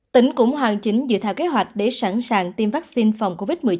tỉnh cũng hoàn chỉnh dự thảo kế hoạch để sẵn sàng tiêm vaccine phòng covid một mươi chín